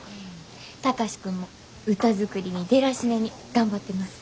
貴司君も歌作りにデラシネに頑張ってます。